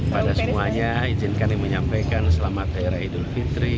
pada semuanya izinkan yang menyampaikan selamat hari idul fitri